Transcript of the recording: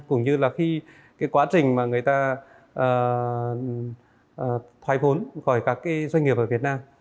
cũng như là khi quá trình người ta thoái vốn khỏi các doanh nghiệp ở việt nam